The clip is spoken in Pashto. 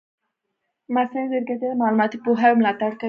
مصنوعي ځیرکتیا د معلوماتي پوهاوي ملاتړ کوي.